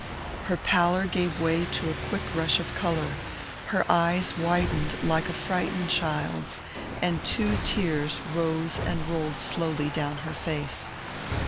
Her pallour gave way to a quick rush of colour, her eyes widened like a frightened child's, and two tears rose and rolled slowly down her face.